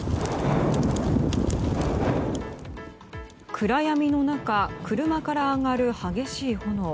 暗闇の中車から上がる激しい炎。